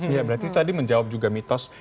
ya berarti tadi menjawab juga mitos